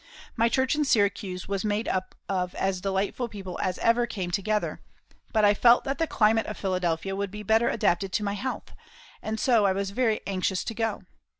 My church in Syracuse was made up of as delightful people as ever came together; but I felt that the climate of Philadelphia would be better adapted to my health, and so I was very anxious to go.